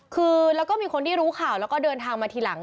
คือแล้วก็มีคนที่รู้ข่าวแล้วก็เดินทางมาทีหลัง